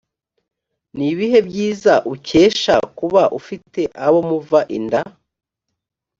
ni ibihe byiza ukesha kuba ufite abo muva inda